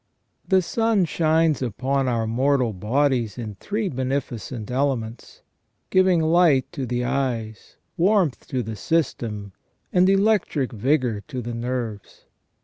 The sun shines upon our mortal bodies in three beneficent elements, giving light to the eyes, warmth to the system, and electric vigour to the nerves.